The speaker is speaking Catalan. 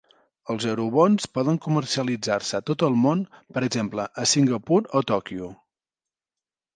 Els eurobons poden comercialitzar-se a tot el món, per exemple, a Singapur o a Tòquio.